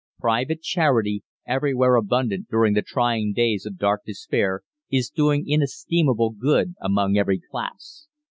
Private charity, everywhere abundant during the trying days of dark despair, is doing inestimable good among every class.